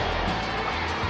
jangan makan aku